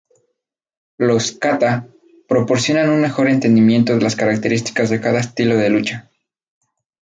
Los "kata" proporcionan un mejor entendimiento de las características de cada estilo de lucha.